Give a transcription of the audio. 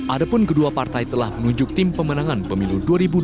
adapun kedua partai telah menunjuk tim pemenangan pemilu dua ribu dua puluh